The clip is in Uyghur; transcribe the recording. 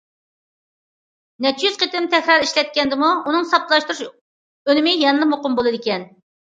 نەچچە يۈز قېتىم تەكرار ئىشلەتكەندىمۇ، ئۇنىڭ ساپلاشتۇرۇش ئۈنۈمى يەنىلا مۇقىم بولىدىكەن.